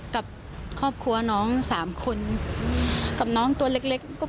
กับครอบครัวน้องสามคนกับน้องตัวเล็ก